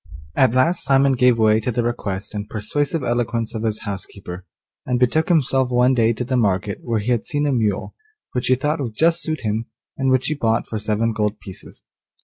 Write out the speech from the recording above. At last Simon gave way to the request and persuasive eloquence of his housekeeper, and betook himself one day to the market where he had seen a mule, which he thought would just suit him, and which he bought for seven gold pieces.